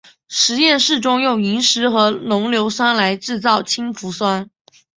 实验室中用萤石和浓硫酸来制造氢氟酸。